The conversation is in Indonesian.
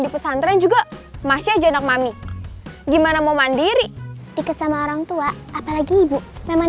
di pesantren juga masih aja anak mami gimana mau mandiri dikesan orangtua apalagi ibu memang